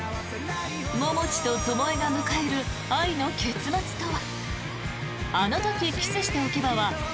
桃地と巴が迎える愛の結末とは？